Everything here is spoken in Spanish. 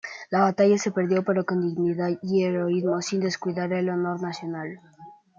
La batalla se perdió pero con dignidad y heroísmo, sin descuidar el honor nacional.